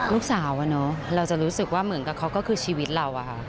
ลูกสาวเราจะรู้สึกว่าเหมือนกับเขาก็คือชีวิตเรา